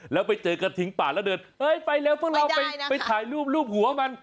แล้วไปเจอกระทิงป่าแล้วเดินเฮ้ยไปเร็วพวกเราไปถ่ายรูปรูปหัวมัน